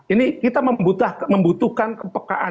ini kita membutuhkan membutuhkan membutuhkan